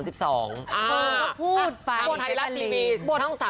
บททีละทีมีทั้ง๓๒